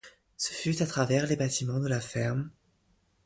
ce fut à travers les batiments de la ferme